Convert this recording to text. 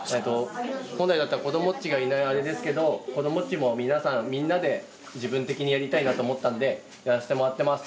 本来だったら子どもたちがいないあれですけど子どもたちもみんなで自分的にやりたいなと思ったんでやらせてもらってます。